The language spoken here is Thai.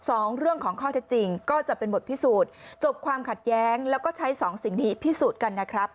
สองเรื่องของข้อเท็จจริงก็จะเป็นบทพิสูจน์จบความขัดแย้งแล้วก็ใช้สองสิ่งนี้พิสูจน์กันนะครับ